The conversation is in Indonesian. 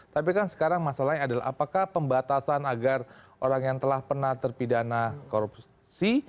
tapi kan sekarang masalahnya adalah apakah pembatasan agar orang yang telah pernah terpidana korupsi